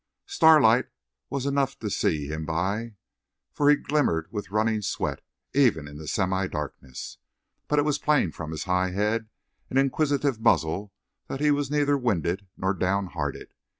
Starlight was enough to see him by, for he glimmered with running sweat even in the semidarkness, but it was plain from his high head and inquisitive muzzle that he was neither winded nor down hearted.